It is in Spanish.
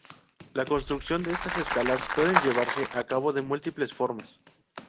La construcción de estas escalas puede llevarse a cabo de múltiples formas.